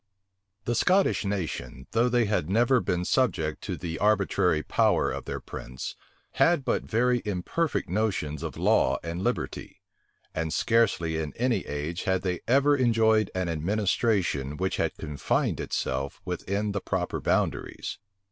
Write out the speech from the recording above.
The Scottish nation, though they had never been subject to the arbitrary power of their prince, had but very imperfect notions of law and liberty; and scarcely in any age had they ever enjoyed an administration which had confined itself within the proper boundaries.